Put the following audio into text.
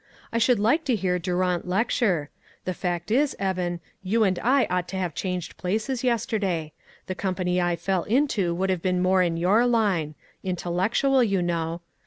I should like to hear Durant lecture. The fact is, Eben, you and I ought to have changed places yesterday ; the company I fell into would have been more in your line ; intel lectual, you know.